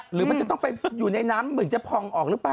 หรือมันจะต้องไปอยู่ในน้ำเหมือนจะพองออกหรือเปล่า